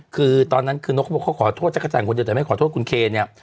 คือตอนนั้นคือนกเขาบอกเขาขอโทษจักรจันทร์คนเดียวแต่ไม่ขอโทษคุณเคเนี่ย